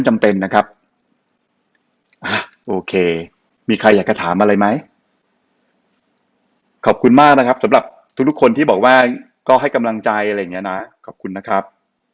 มาก็ให้กำลังใจอะไรอย่างเงี้ยน่ะขอบคุณนะครับ